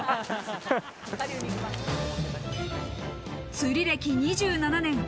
釣り歴２７年。